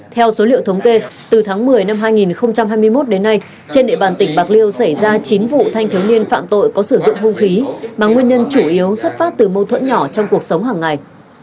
theo số liệu thống kê từ tháng một mươi năm hai nghìn hai mươi một đến nay trên địa bàn tỉnh bạc liêu xảy ra chín vụ thanh thiếu niên phạm tội có sử dụng hung khí mà nguyên nhân chủ yếu xuất phát từ mâu thuẫn nhỏ trong cuộc sống hàng ngày